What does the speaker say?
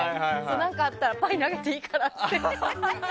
何かあったらパイ投げていいからって。